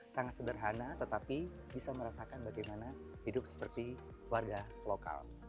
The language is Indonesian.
sangat sederhana tetapi bisa merasakan bagaimana hidup seperti warga lokal